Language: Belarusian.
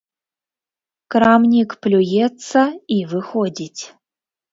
Крамнік плюецца і выходзіць.